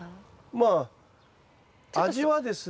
まあ味はですね。